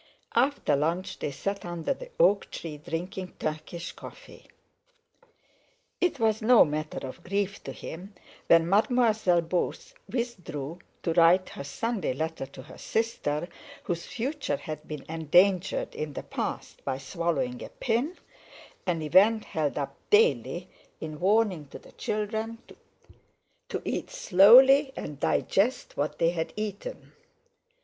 After lunch they sat under the oak tree drinking Turkish coffee. It was no matter of grief to him when Mademoiselle Beauce withdrew to write her Sunday letter to her sister, whose future had been endangered in the past by swallowing a pin—an event held up daily in warning to the children to eat slowly and digest what they had eaten.